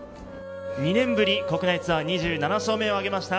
２年ぶり国内ツアー優勝を飾りました